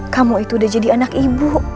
kamu itu udah jadi anak ibu